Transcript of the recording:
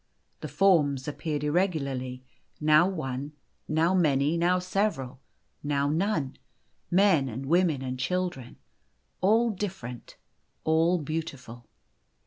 The forms appeared irregularly now one, now many, now several, now none men and women and children all different, all beautiful.